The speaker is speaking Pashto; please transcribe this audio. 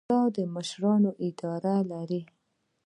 کاناډا د مشرانو اداره لري.